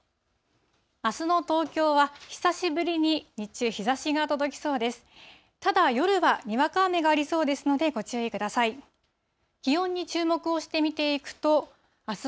あすの東京は、久しぶりに日中、日ざしが届きそうです。